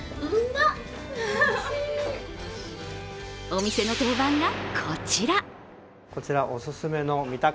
お店の定番がこちら。